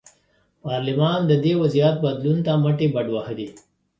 پارلمان د دې وضعیت بدلون ته مټې بډ وهلې.